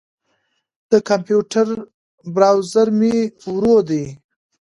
د کمپیوټر بروزر مې ورو دی.